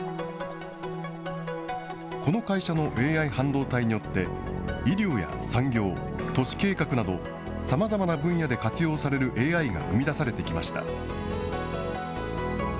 この会社のＡＩ半導体によって医療や産業、都市計画などさまざまな分野で活用されるＡＩが生み出されてきました。